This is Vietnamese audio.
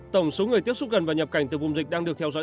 tổng số người tiếp xúc gần và nhập cảnh từ vùng dịch đang được theo dõi